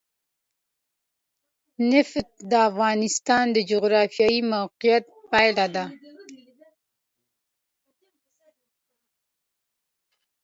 نفت د افغانستان د جغرافیایي موقیعت پایله ده.